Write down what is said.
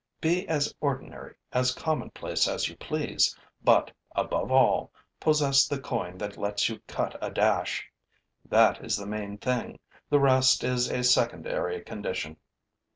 Be as ordinary, as commonplace as you please, but, above all, possess the coin that lets you cut a dash. That is the main thing; the rest is a secondary condition.